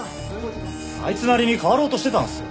あいつなりに変わろうとしてたんすよ。